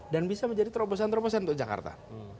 dan bisa menjadi terobosan terobosan untuk jakarta